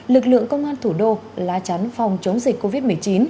lực lượng công an thủ đô la chắn phòng chống dịch covid một mươi chín